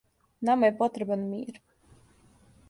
Нама је потребан мир.